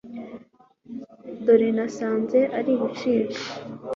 dore nasanze ari ibicika